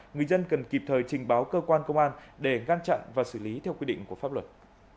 người dân cần kịp thời trình báo cơ quan công an để ngăn chặn và xử lý theo quy định của pháp luật